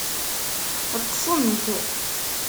Ṭṭṣent.